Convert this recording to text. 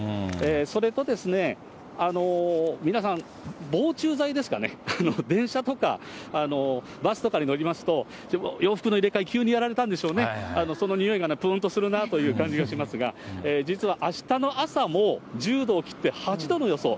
それとですね、皆さん防虫剤ですかね、電車とか、バスとかに乗りますと、洋服の入れ替え、急にやられたんでしょうね、そのにおいがぷーんとするなという感じがしますが、実はあしたの朝も１０度を切って、８度の予想。